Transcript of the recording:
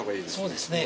そうですね。